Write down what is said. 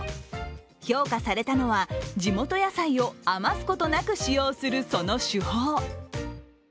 評価されたのは地元野菜を余すことなく使用する、その手法。